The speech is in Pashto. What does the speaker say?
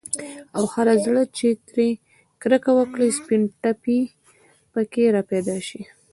او هر زړه چي ترې كركه وكړي، سپين ټاپى په كي راپيدا شي